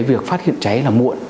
việc phát hiện cháy là muộn